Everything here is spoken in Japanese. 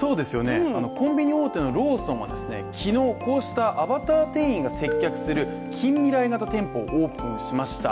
コンビニ大手のローソンは昨日こうしたアバター店員が接客する近未来型店舗をオープンしました。